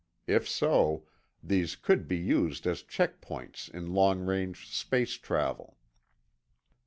If so, these could be used as check points in long range space travel.